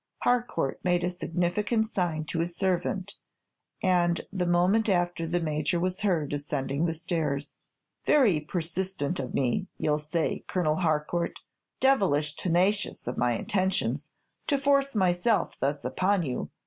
Harcourt made a significant sign to his servant, and the moment after the Major was heard ascending the stairs. "Very persistent of me, you'll say, Colonel Harcourt. Devilish tenacious of my intentions, to force myself thus upon you!"